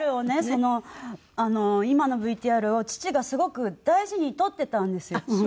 その今のＶＴＲを父がすごく大事に取ってたんですよ。